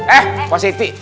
eh pak siti